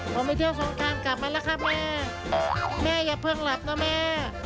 ผมไปเที่ยวสองทางกลับมาแล้วครับแม่แม่อย่าเพิ่งหลับนะแม่